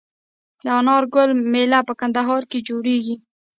د انار ګل میله په کندهار کې جوړیږي.